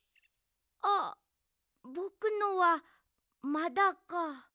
あっぼくのはまだか。